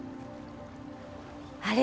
あれ？